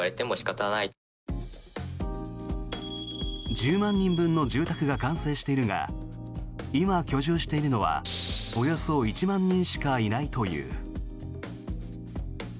１０万人分の住宅が完成しているが今、居住しているのはおよそ１万人しかいないという。